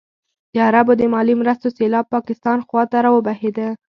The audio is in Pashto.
د عربو د مالي مرستو سېلاب پاکستان خوا ته راوبهېده.